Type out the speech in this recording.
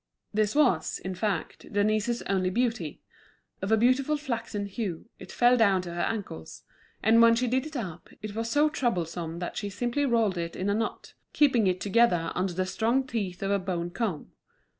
This was, in fact, Denise's only beauty. Of a beautiful flaxen hue, it fell down to her ankles; and when she did it up, it was so troublesome that she simply rolled it in a knot, keeping it together under the strong teeth of a bone comb.